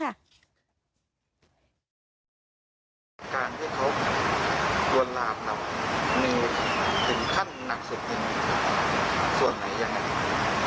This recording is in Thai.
การที่เขาหลวนหลาดเรามีถึงขั้นหนักสุดยังไงส่วนไหนยังไง